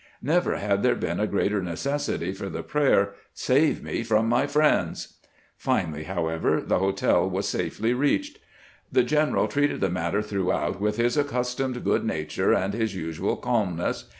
Never had there been a greater necessity for the prayer, " Save me from my friends !" Finally, however, the hotel was safely reached. The general treated the matter throughout with his accus tomed good nature and his usual calmness.